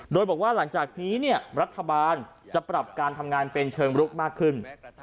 โดยบอกว่าหลังจากนี้รัฐบาลจะปรับการทำงานเป็นเชิงรุกมากขึ้น